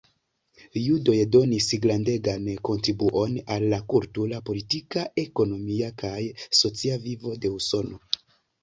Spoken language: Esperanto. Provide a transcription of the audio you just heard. Judoj donis grandegan kontribuon al la kultura, politika, ekonomia kaj socia vivo de Usono.